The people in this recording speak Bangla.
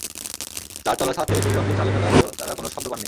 চারতলার ছাদ থেকে শরীরের অংশ চালে ফেলা হলেও তাঁরা কোনো শব্দ পাননি।